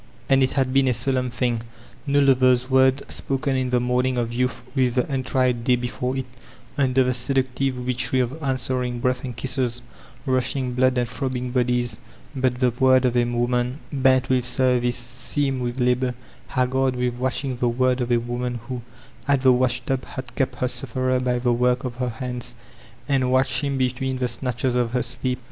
And it had been a solemn thing! No fever's word spoken in the morning of youth with the untried day before it, under the seductive witchery of an s we ring breath and kisses, rushing blood and throbbing Ixxfiest but the word of a woman bent with service, seamed witti labor, haggard with watching; the word of a woman who, at the washtub, had kept her sufferer by the work of her hands, and watched him between the snatdies of her sleep.